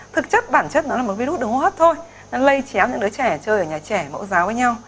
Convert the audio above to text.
thực chất bản chất nó là một virus đường hô hấp thôi nó lây chéo những đứa trẻ chơi ở nhà trẻ mẫu giáo với nhau